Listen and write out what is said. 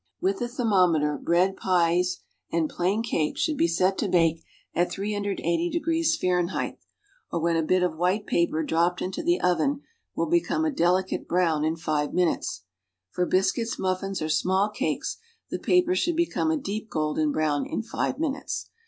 With a thermometer, bread, pies and plain cake should be set to bake at 380° F., or when a bit of wliite paper dropped into the oven will become a delicate brown in five minutes, for biscuits, muffins, or small cakes, the pa[)er should become a deep golden brown in five minutes.